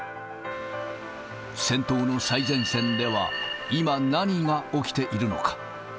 戦闘の最前線では、今、何が起きているのか。